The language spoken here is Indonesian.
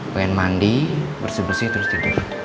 pengen mandi bersih bersih terus jadi